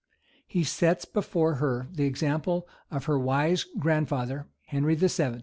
He sets before her the example of her wise grandfather, Henry VII.